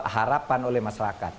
harapan oleh masyarakat